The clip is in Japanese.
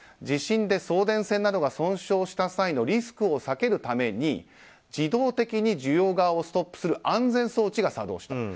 地震で送電線などが損傷した際のリスクを避けるために自動的に需要側をストップする安全装置が作動した。